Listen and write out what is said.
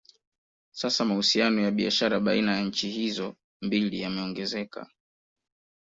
Sasa mahusiano ya biashara baina ya nchi hizo mbili yameongezeka